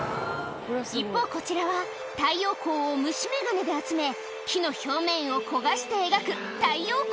一方こちらは太陽光を虫眼鏡で集め木の表面を焦がして描く太陽光